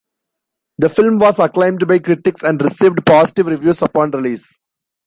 The film was acclaimed by critics and received positive reviews upon release.